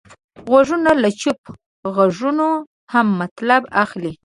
غوږونه له چوپ غږونو هم مطلب اخلي